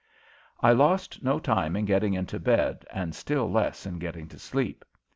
I lost no time in getting into bed and still less in getting to sleep.